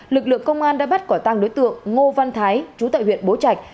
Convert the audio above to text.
lực lượng công an đã bắt quả tăng đối tượng ngô văn thái chú tại huyện bố trạch